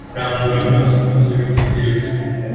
rambura amaso maze witegereze,